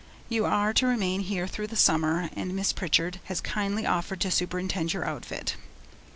You are to remain here through the summer, and Miss Pritchard has kindly offered to superintend your outfit.